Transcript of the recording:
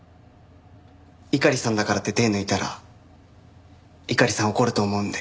猪狩さんだからって手ぇ抜いたら猪狩さん怒ると思うんで。